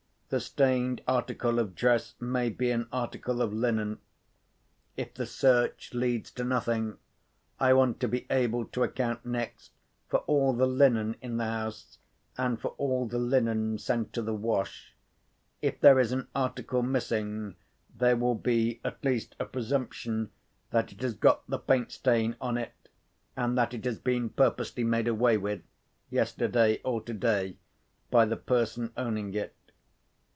The stained article of dress may be an article of linen. If the search leads to nothing, I want to be able to account next for all the linen in the house, and for all the linen sent to the wash. If there is an article missing, there will be at least a presumption that it has got the paint stain on it, and that it has been purposely made away with, yesterday or today, by the person owning it.